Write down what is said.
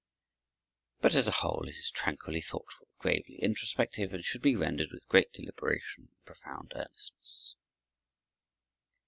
But as a whole it is tranquilly thoughtful, gravely introspective, and should be rendered with great deliberation and profound earnestness.